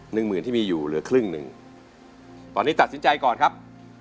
หนึ่งหมื่นที่มีอยู่เหลือครึ่งหนึ่งตอนนี้ตัดสินใจก่อนครับ